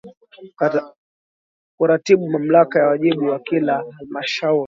Kuratibu Mamlaka na wajibu wa kila Halmashauri